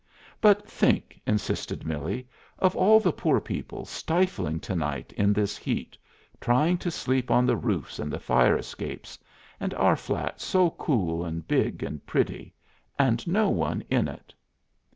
"But, think," insisted Millie, "of all the poor people stifling to night in this heat, trying to sleep on the roofs and fire escapes; and our flat so cool and big and pretty and no one in it."